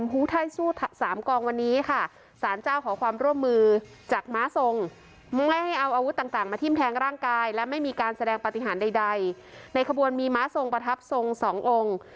เพราะความร่วมมือกับมาทรงไม่ให้เอาอาวุธต่างต่างมาทิ้มแทงร่างกายและไม่มีการแสดงปฏิหารใดใดในขบวนมีม๊าทรงประทับทรงสององค์